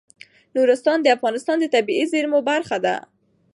نورستان د افغانستان د طبیعي زیرمو برخه ده.